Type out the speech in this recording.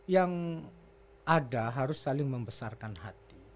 yang ada harus saling membesarkan hati